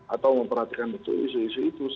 atau memperhatikan betul isu isu itu